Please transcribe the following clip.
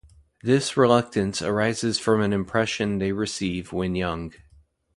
This reluctance arises from an impression they receive when young.